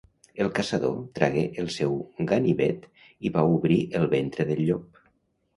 El caçador tragué el seu ganivet i va obrir el ventre del llop.